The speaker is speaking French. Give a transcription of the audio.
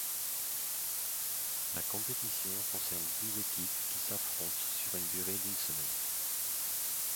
La compétition concerne douze équipes qui s'affrontent sur une durée d'une semaine.